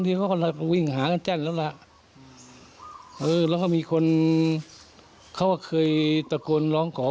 ทีเสียง